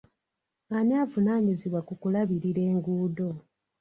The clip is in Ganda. Ani avunaanyizibwa ku kulabirira enguudo?